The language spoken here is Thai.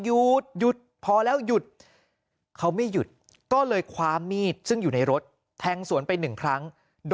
ยุดยุดพอแล้วยุดเขาไม่หยุดก็เลยความมีซึ่งอยู่ในรถแทง